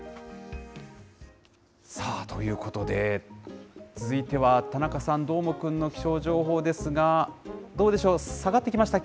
さあ、ということで、続いては田中さん、どーもくんの気象情報ですが、どうでしょう、下がってきました？